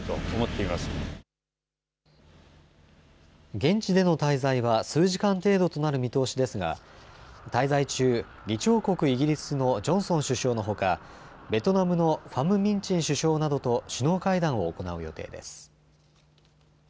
現地での滞在は数時間程度となる見通しですが滞在中、議長国、イギリスのジョンソン首相のほか、ベトナムのファム・ミン・チン首相などと首脳会談を行う予定です。